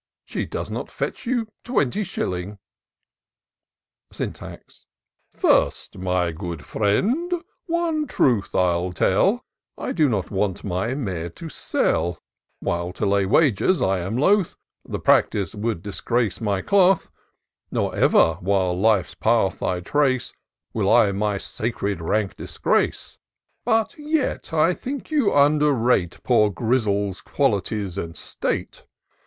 She does not fetch you twenty shilling." IN SEARCH OF THE PICTURESQUE. 181 Syntax. " First, my good friend, one truth I'll tell ; I do not want my mare to sell ; While to lay wagers I am loth ; The practice would disgrace my cloth, Nor ever, while Life's path I trace, WiU I my sacred rank disgrace ; But yet I think you imder rate Poor Grizzle's qualities and state.